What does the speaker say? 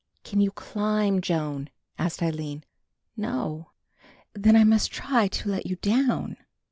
"Can you climb, Joan?" asked Aline. "No." "Then I must try and let you down."